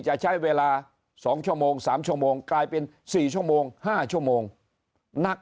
จะใช้เวลา๒ชั่วโมง๓ชั่วโมงกลายเป็น๔ชั่วโมง๕ชั่วโมงนัก